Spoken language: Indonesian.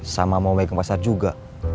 sama mau megang pasar juga